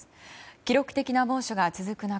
記録的な猛暑が続く中